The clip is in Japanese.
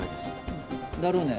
うんだろうね。